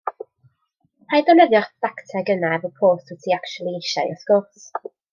Paid defnyddio'r dacteg yna efo post wyt ti actiwali eisiau, wrth gwrs.